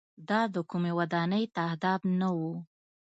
دا د کومۍ ودانۍ تهداب نه و.